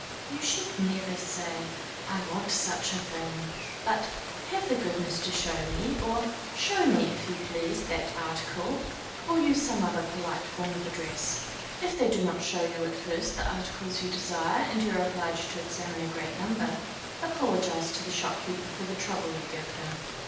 You should never say, I want such a thing, but, have the goodness to show me, or show me, if you please, that article, or use some other polite form of address. If they do not show you at first the articles you desire, and you are obliged to examine a great number, apologize to the shopkeeper for the trouble you give him.